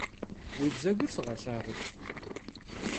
Vui bzegur sığelhağut.